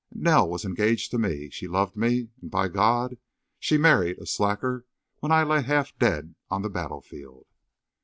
Nell was engaged to me—she loved me—and, by God! She married a slacker when I lay half dead on the battlefield!"